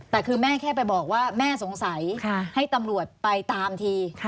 แต่คือแม่แค่ไปบอกว่าแม่สงสัยให้ตำรวจไปตามที